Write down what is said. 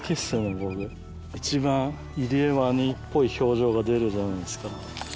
僕一番イリエワニっぽい表情が出るじゃないですか